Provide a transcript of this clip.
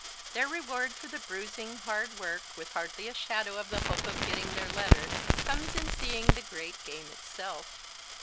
Their reward for the bruising, hard work, with hardly a shadow of the hope of getting their letter, comes in seeing the great game itself.